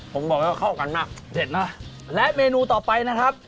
ผมบอกว่าเข้ากันจริงปะเจ็บนะและเมนูต่อไปนะครับ